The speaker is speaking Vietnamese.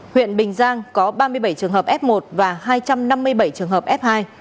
huyện bình giang có ba mươi bảy trường hợp f một và hai trăm năm mươi bảy trường hợp f hai